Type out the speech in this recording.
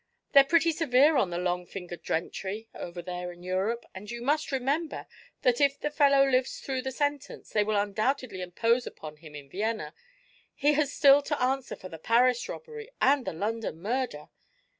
"They're pretty severe on the long fingered gentry, over there in Europe, and you must remember that if the fellow lives through the sentence they will undoubtedly impose upon him in Vienna, he has still to answer for the Paris robbery and the London murder.